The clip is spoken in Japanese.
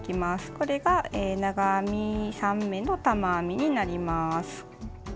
これが長編み３目の玉編みになります。